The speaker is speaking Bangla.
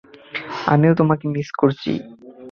আমিও তোমাকে মিস করছি।